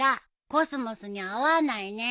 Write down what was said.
コスモスに合わないね。